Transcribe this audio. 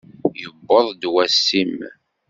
Yewweḍ-d wass-im!